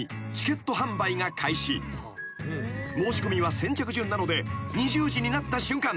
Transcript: ［申し込みは先着順なので２０時になった瞬間